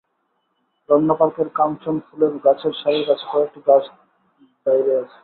রমনা পার্কের কাঞ্চন ফুলের গাছের সারির কাছে কয়েকটি গাছে ধাইরা আছে।